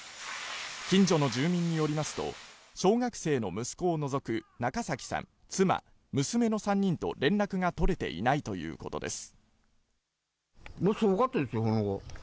近所の住民によりますと、小学生の息子を除く中崎さん、妻、娘の３人と連絡が取れていないということです。